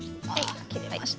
あ切れました。